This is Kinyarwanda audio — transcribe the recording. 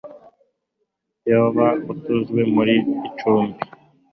yoba atunzwe muri icumbi